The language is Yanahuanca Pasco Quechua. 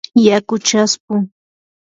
yaku chaspu.